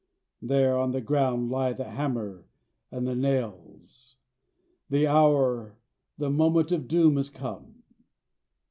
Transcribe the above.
There on the ground lie the hammer and the nails: the hour, the moment of doom is come!